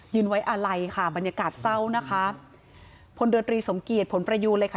ไว้อาลัยค่ะบรรยากาศเศร้านะคะพลเรือตรีสมเกียจผลประยูนเลยค่ะ